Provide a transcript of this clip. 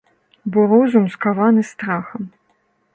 Бо розум скаваны страхам.